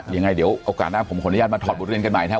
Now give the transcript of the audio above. ยังไงเดี๋ยวโอกาสหน้าผมขออนุญาตมาถอดบทเรียนกันใหม่นะครับ